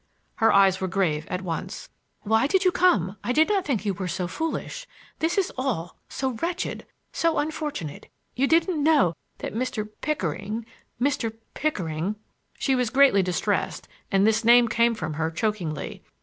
Her eyes were grave at once. "Why did you come? I did not think you were so foolish. This is all—so wretched,—so unfortunate. You didn't know that Mr. Pickering—Mr. Pickering—" She was greatly distressed and this name came from her chokingly.